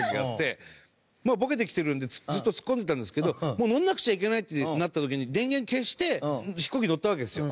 まあボケてきてるんでずっとツッコんでたんですけどもう乗らなくちゃいけないってなった時に電源消して飛行機乗ったわけですよ。